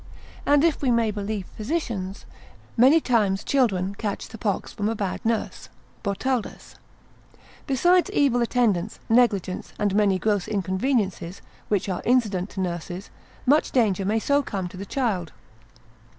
And if we may believe physicians, many times children catch the pox from a bad nurse, Botaldus cap. 61. de lue vener. Besides evil attendance, negligence, and many gross inconveniences, which are incident to nurses, much danger may so come to the child.